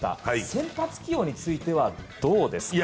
先発起用についてはどうですか？